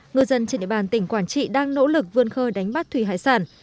ngư dân trên địa bàn tỉnh quảng trị đang nỗ lực vươn khơi đánh bắt thủy hải sản